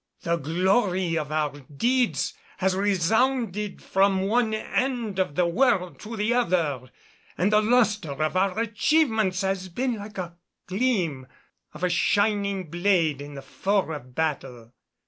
The glory of our deeds has resounded from one end of the world to the other, and the lustre of our achievements has been like the gleam of a shining blade in the fore of battle."